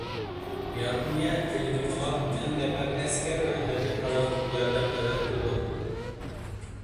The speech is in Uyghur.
ياپونىيە فىلىپپىنغا مىڭ نەپەر ئەسكەر ۋە ھەربىي پاراخوت ياردەم ئەۋەتىدۇ.